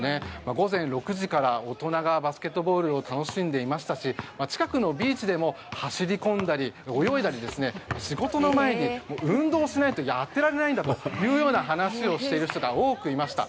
午前６時から大人がバスケットボールを楽しんでいましたし近くのビーチでも走り込んだり泳いだり仕事の前に運動しないとやってられないんだというような話をしている人が多くいました。